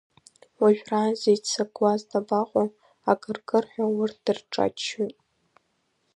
Уажәраанӡа иццакуаз дабаҟоу, акыркырҳәа урҭ дырҿаччоит!